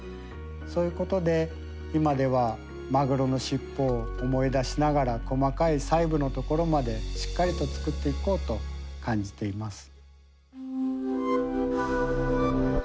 そういうことで今ではマグロの尻尾を思い出しながら細かい細部のところまでしっかりと作っていこうと感じています。